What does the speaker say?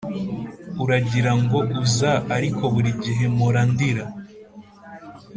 uragira ngo uza ariko burigihe mpora ndira,